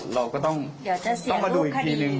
เราก็ต้องมาดูอีกทีนึง